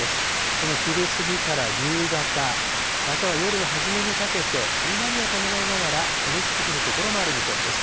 この昼過ぎから夕方、または夜の初めにかけて、雷を伴いながら、激しく降る所もある見込みです。